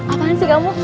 apain sih kamu